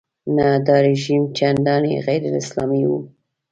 نه دا رژیم چندانې غیراسلامي و.